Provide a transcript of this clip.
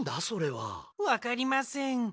それは。わかりません。